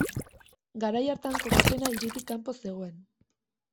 Garai hartan kokapena hiritik kanpo zegoen.